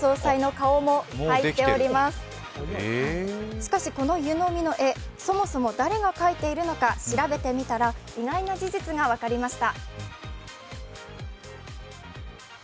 しかし、この湯飲みの絵、そもそも誰が描いているのか調べてみたら意外な事実が分かりました。